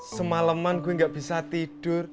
semalaman gue gak bisa tidur